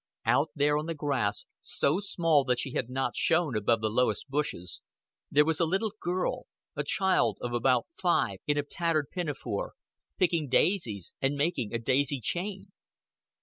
Out there on the grass, so small that she had not shown above the lowest bushes, there was a little girl a child of about five, in a tattered pinafore, picking daisies and making a daisy chain.